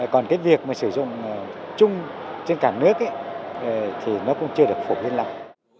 còn việc sử dụng chung trên cảng nước thì nó cũng chưa được phục hình lặng